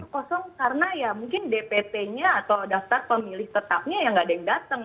kosong karena ya mungkin dpt nya atau daftar pemilih tetapnya ya nggak ada yang datang